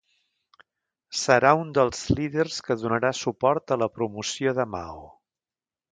Serà un dels líders que donarà suport a la promoció de Mao.